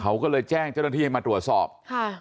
เขาก็เลยแจ้งเจ้าหน้าที่ให้มาตรวจสอบค่ะ